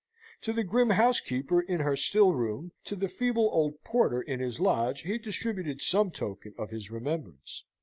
To the grim housekeeper in her still room, to the feeble old porter in his lodge, he distributed some token of his remembrance.